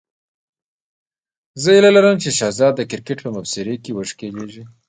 زه هیله لرم چې شهزاد د کرکټ په مبصرۍ کې وښکلېږي.